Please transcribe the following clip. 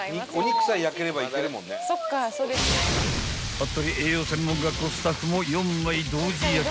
［服部栄養専門学校スタッフも４枚同時焼き］